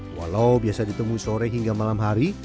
walau biasa ditemui sore hingga malam hari